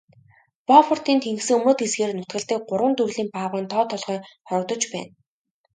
Бофортын тэнгисийн өмнөд хэсгээр нутагладаг гурван төрлийн баавгайн тоо толгой хорогдож байна.